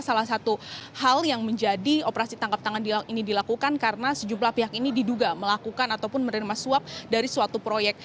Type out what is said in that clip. salah satu hal yang menjadi operasi tangkap tangan ini dilakukan karena sejumlah pihak ini diduga melakukan ataupun menerima suap dari suatu proyek